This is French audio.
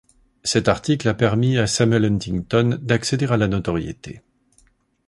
Cet article a permis à Samuel Huntington d'accéder à la notoriété.